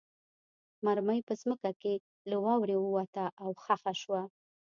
مرمۍ په ځمکه کې له واورې ووته او خښه شوه